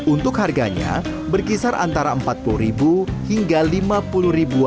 untuk harganya berkisar antara rp empat puluh hingga rp lima puluh